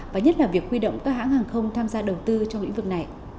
và nhất là việc huy động các hãng hàng không tham gia đầu tư trong lĩnh vực này